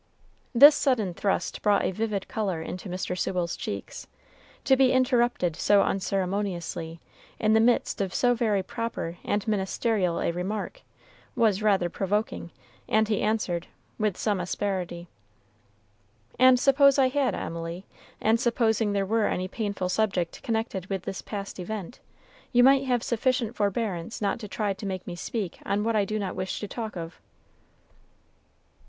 This sudden thrust brought a vivid color into Mr. Sewell's cheeks. To be interrupted so unceremoniously, in the midst of so very proper and ministerial a remark, was rather provoking, and he answered, with some asperity, "And suppose I had, Emily, and supposing there were any painful subject connected with this past event, you might have sufficient forbearance not to try to make me speak on what I do not wish to talk of."